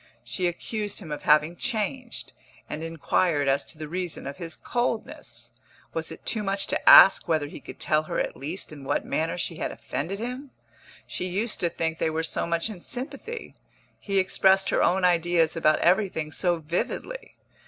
She accused him of having changed, and inquired as to the reason of his coldness. Was it too much to ask whether he could tell her at least in what manner she had offended him? She used to think they were so much in sympathy he expressed her own ideas about everything so vividly.